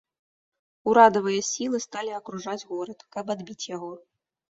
Урадавыя сілы сталі акружаць горад, каб адбіць яго.